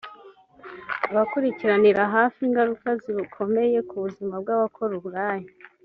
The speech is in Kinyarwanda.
Abakurikiranira hafi ingaruka zikomeye ku buzima bw’abakora uburaya